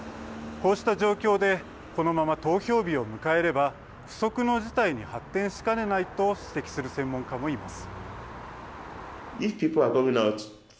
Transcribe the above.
こうした状況でこのまま投票日を迎えれば不測の事態に発展しかねないと指摘する専門家もいます。